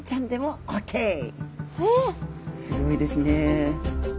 すギョいですね。